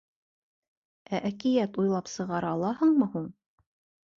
— Ә әкиәт уйлап сығара алаһыңмы һуң?